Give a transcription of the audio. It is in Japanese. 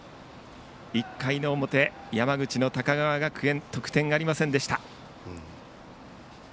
１回の表、山口の高川学園得点ありませんでした。